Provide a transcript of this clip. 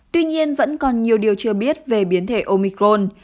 tuy nhiên vẫn còn nhiều điều chưa biết về biến thể omicron